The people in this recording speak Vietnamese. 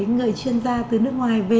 để có những người chuyên gia từ nước ngoài về